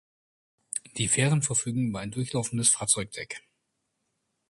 Die Fähren verfügen über ein durchlaufendes Fahrzeugdeck.